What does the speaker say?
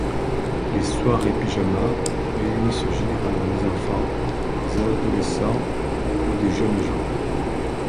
Les soirées pyjama réunissent généralement des enfants, des adolescents ou des jeunes gens.